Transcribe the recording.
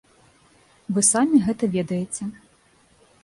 Вы самі гэта ведаеце.